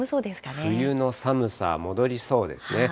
冬の寒さ、戻りそうですかね。